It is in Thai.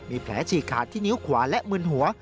มีแผลฉีกขาดที่นิ้วขวาและมึนหัว